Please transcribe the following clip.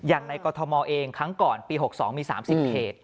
ในกรทมเองครั้งก่อนปี๖๒มี๓๐เขต